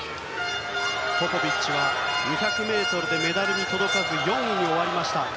ポポビッチは２００ｍでメダルに届かず４位に終わりました。